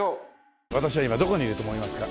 私は今どこにいると思いますか？